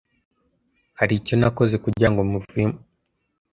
Hari icyo nakoze kugirango Mivumbi arakare?